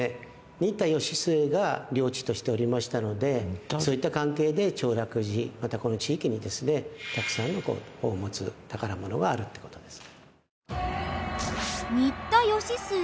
新田義季が領地としておりましたのでそういった関係で長楽寺またこの地域にですねたくさんの宝物宝物があるって事です。